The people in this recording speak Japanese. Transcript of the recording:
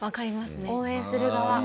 応援する側。